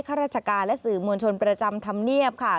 ข้าราชการและสื่อมวลชนประจำธรรมเนียบค่ะ